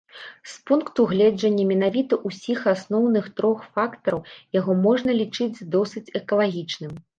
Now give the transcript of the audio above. З пункту гледжання менавіта ўсіх асноўных трох фактараў яго можна лічыць досыць экалагічным.